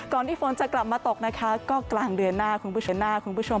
ก่อนที่ฝนจะกลับมาตกนะคะก็กลางเดือนหน้าคุณผู้ชม